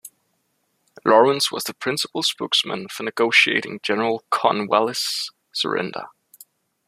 Laurens was the principal spokesman for negotiating General Cornwallis's surrender.